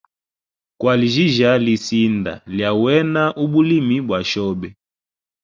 Kwaljija lisinda lya wena ubulimi bwa shobe.